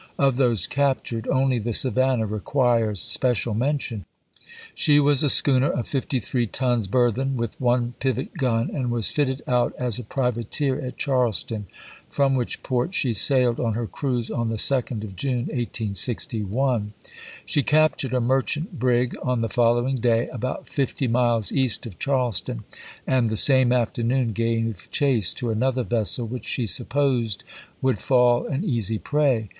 Of those captured only the Savan nah requires special mention. She was a schooner of fifty three tons burthen with one pivot gun, and was fitted out as a privateer at Charleston, from which port she sailed on her cruise on the 2d of June, 1861. She captured a merchant brig on the following day about fifty miles east of Charles ton, and the same afternoon gave chase to another vessel, which she supposed would fall an easy prey.